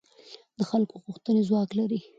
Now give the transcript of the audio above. د خلکو غوښتنې ځواک لري